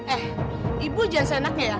eh ibu jangan seenaknya ya